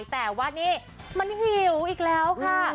แต่ว่านี่มันหิวอีกแล้วค่ะ